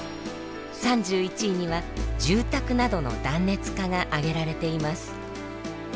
３１位には「住宅などの断熱化」が上げられています。